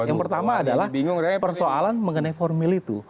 yang pertama adalah persoalan mengenai formil itu